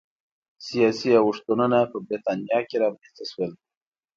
سیاسي اوښتونونه په برېټانیا کې رامنځته شول